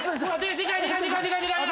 でかいの？